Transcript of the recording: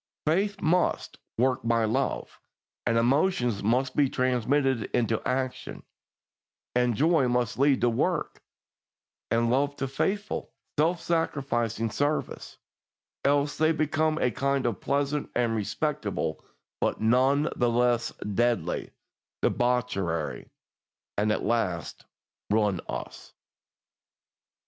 Faith must "work by love," and emotion must be transmitted into action, and joy must lead to work, and love to faithful, self sacrificing service, else they become a kind of pleasant and respectable, but none the less deadly, debauchery, and at last ruin us.